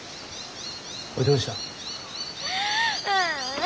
おいどうした？うう。